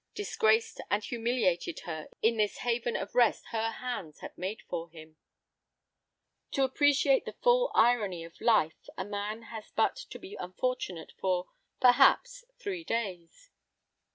Disgraced and humiliated her in this haven of rest her hands had made for him! To appreciate to the full the irony of life, a man has but to be unfortunate for—perhaps—three days.